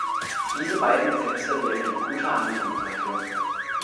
Diese beiden Gesetze wären ein guter Anfang dafür.